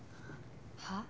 はあ？